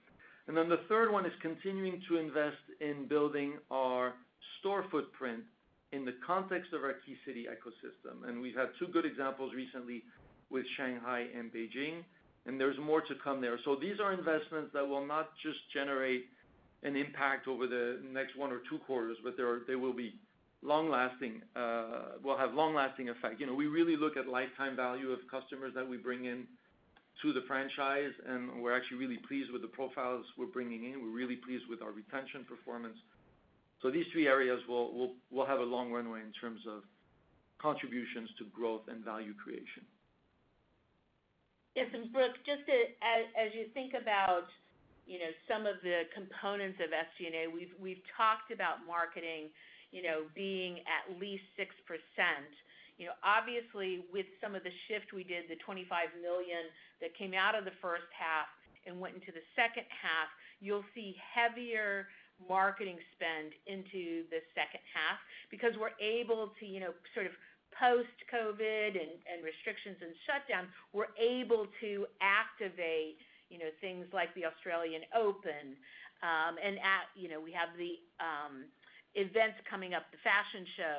The third one is continuing to invest in building our store footprint in the context of our key city ecosystem. We've had two good examples recently with Shanghai and Beijing, and there's more to come there. These are investments that will not just generate an impact over the next one or two quarters, but they will be long-lasting, will have long-lasting effect. You know, we really look at lifetime value of customers that we bring in to the franchise, and we're actually really pleased with the profiles we're bringing in. We're really pleased with our retention performance. These three areas will have a long runway in terms of contributions to growth and value creation. Yes, Brooke, just as you think about, you know, some of the components of SG&A, we've talked about marketing, you know, being at least 6%. You know, obviously with some of the shift we did, the $25 million that came out of the first half and went into the second half, you'll see heavier marketing spend into the second half because we're able to, you know, sort of post-COVID and restrictions and shutdowns, we're able to activate, you know, things like the Australian Open. At, you know, we have the events coming up, the fashion show,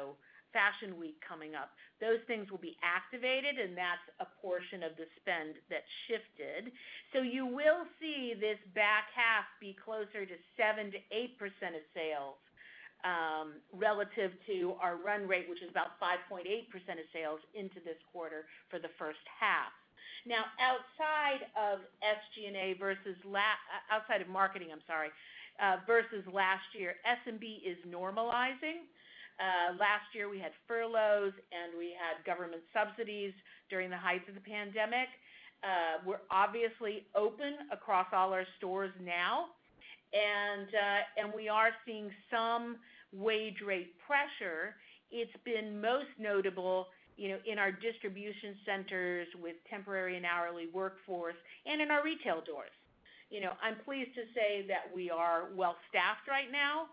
Fashion Week coming up. Those things will be activated, and that's a portion of the spend that shifted. You will see this back half be closer to 7%-8% of sales, relative to our run rate, which is about 5.8% of sales into this quarter for the first half. Now, outside of SG&A versus outside of marketing, I'm sorry, versus last year, SG&A is normalizing. Last year we had furloughs and we had government subsidies during the height of the pandemic. We're obviously open across all our stores now, and we are seeing some wage rate pressure. It's been most notable, you know, in our distribution centers with temporary and hourly workforce and in our retail doors. You know, I'm pleased to say that we are well-staffed right now,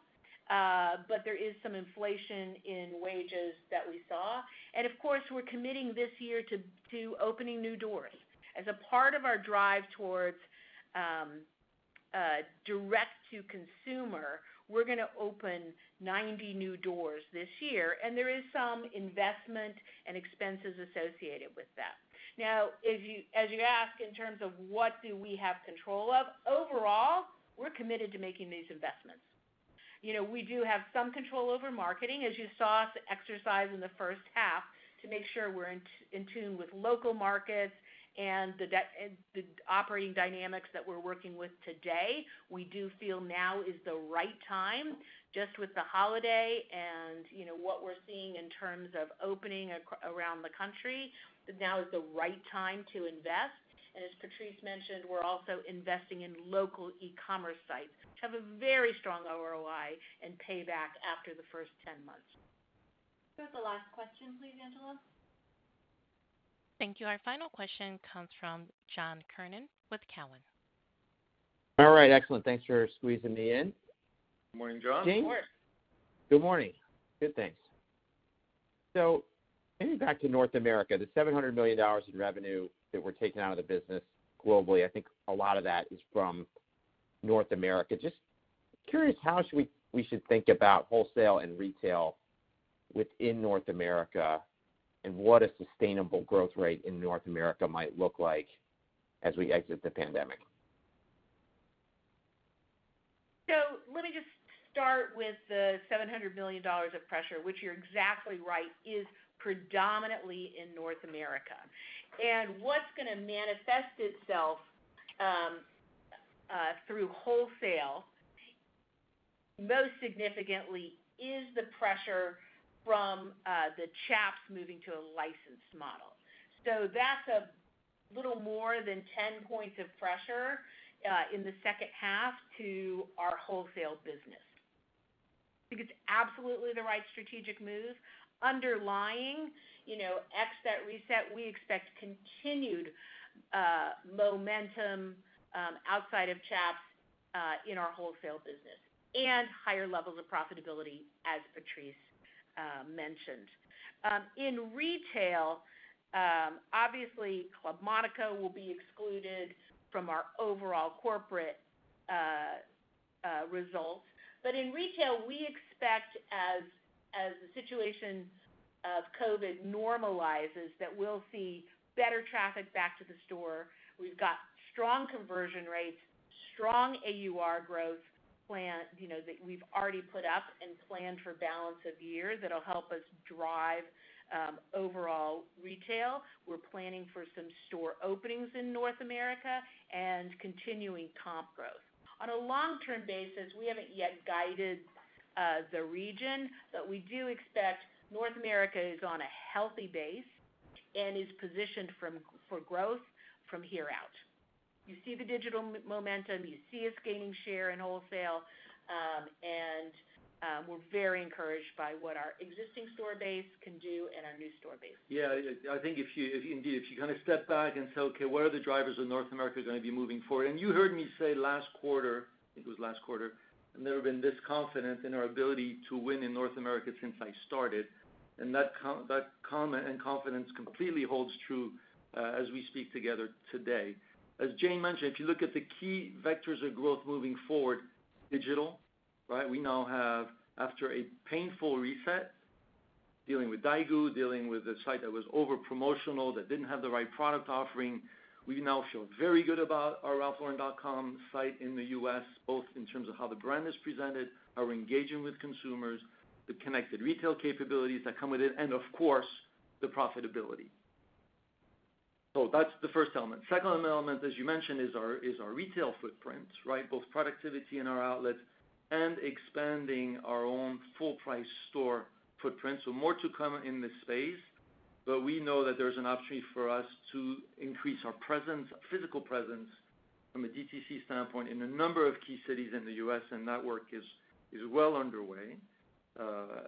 but there is some inflation in wages that we saw. Of course, we're committing this year to opening new doors. As a part of our drive towards direct to consumer, we're gonna open 90 new doors this year, and there is some investment and expenses associated with that. Now, as you ask in terms of what do we have control of, overall, we're committed to making these investments. You know, we do have some control over marketing, as you saw us exercise in the first half, to make sure we're in tune with local markets and the operating dynamics that we're working with today. We do feel now is the right time, just with the holiday and, you know, what we're seeing in terms of opening around the country, that now is the right time to invest. As Patrice mentioned, we're also investing in local e-commerce sites, which have a very strong ROI and payback after the first 10 months. Go to the last question, please, Angela. Thank you. Our final question comes from John Kernan with Cowen. All right, excellent. Thanks for squeezing me in. Morning, John. Jane Morning. Good morning. Good, thanks. Maybe back to North America, the $700 million in revenue that we're taking out of the business globally, I think a lot of that is from North America. Just curious how we should think about wholesale and retail within North America, and what a sustainable growth rate in North America might look like as we exit the pandemic. Let me just start with the $700 million of pressure, which, you're exactly right, is predominantly in North America. What's gonna manifest itself through wholesale most significantly is the pressure from the Chaps moving to a licensed model. That's a little more than 10 points of pressure in the second half to our wholesale business. I think it's absolutely the right strategic move. Underlying, ex that reset, we expect continued momentum outside of Chaps in our wholesale business and higher levels of profitability, as Patrice mentioned. In retail, obviously, Club Monaco will be excluded from our overall corporate results. In retail, we expect as the situation of COVID normalizes, that we'll see better traffic back to the store. We've got strong conversion rates, strong AUR growth plan, you know, that we've already put up and planned for balance of year that'll help us drive overall retail. We're planning for some store openings in North America and continuing comp growth. On a long-term basis, we haven't yet guided the region, but we do expect North America is on a healthy base and is positioned for growth from here out. You see the digital momentum, you see us gaining share in wholesale, and we're very encouraged by what our existing store base can do and our new store base. Yeah. I think if you kind of step back and say, "Okay, what are the drivers of North America gonna be moving forward?" You heard me say last quarter. I've never been this confident in our ability to win in North America since I started. That comment and confidence completely holds true as we speak together today. As Jane mentioned, if you look at the key vectors of growth moving forward, digital, right? We now have, after a painful reset, dealing with daigou, dealing with a site that was over-promotional, that didn't have the right product offering. We now feel very good about our ralphlauren.com site in the U.S., both in terms of how the brand is presented, how we're engaging with consumers, the connected retail capabilities that come with it, and of course, the profitability. That's the first element. Second element, as you mentioned, is our retail footprint, right? Both productivity in our outlets and expanding our own full-price store footprint. More to come in this space, but we know that there's an opportunity for us to increase our presence, physical presence from a DTC standpoint in a number of key cities in the U.S., and that work is well underway,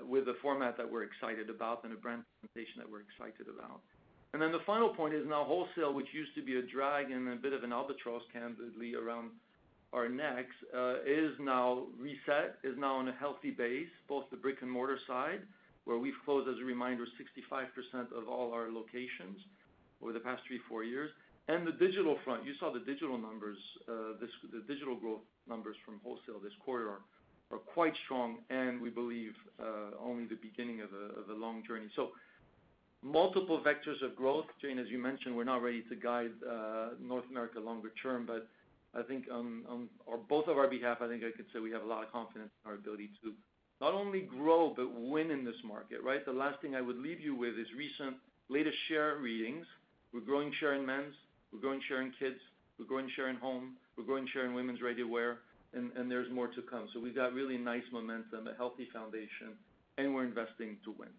with a format that we're excited about and a brand presentation that we're excited about. The final point is now wholesale, which used to be a drag and a bit of an albatross, candidly, around our necks, is now reset, is now on a healthy base, both the brick-and-mortar side, where we've closed, as a reminder, 65% of all our locations over the past three or four years. The digital front. You saw the digital numbers. The digital growth numbers from wholesale this quarter are quite strong, and we believe only the beginning of a long journey. Multiple vectors of growth. Jane, as you mentioned, we're not ready to guide North America longer term, but I think on both of our behalf, I think I could say we have a lot of confidence in our ability to not only grow, but win in this market, right? The last thing I would leave you with is recent latest share readings. We're growing share in men's, we're growing share in kids, we're growing share in home, we're growing share in women's ready-to-wear, and there's more to come. We've got really nice momentum, a healthy foundation, and we're investing to win.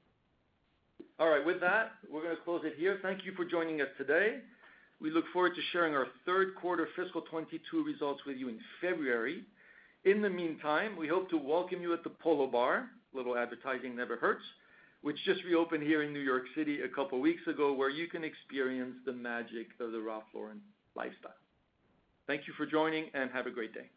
All right. With that, we're gonna close it here. Thank you for joining us today. We look forward to sharing our third quarter fiscal 2022 results with you in February. In the meantime, we hope to welcome you at the Polo Bar, a little advertising never hurts, which just reopened here in New York City a couple weeks ago, where you can experience the magic of the Ralph Lauren lifestyle. Thank you for joining, and have a great day.